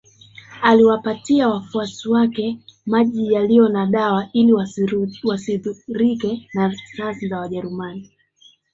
Aliwapatia wafuasi wake maji yaliyo na dawa ili wasidhurike na risasi za wajerumani